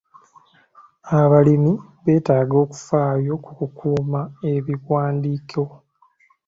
Abalimi beetaaga okufaayo ku kukuuma ebiwandiiko.